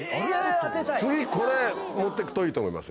次これ持ってくといいと思います。